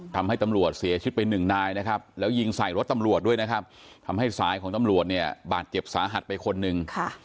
ทำให้ตำรวจเสียชีวิตไปหนึ่งนายนะครับแล้วยิงใส่รถตำรวจด้วยนะครับทำให้สายของตำรวจเนี่ยบาดเจ็บสาหัสไปคนหนึ่ง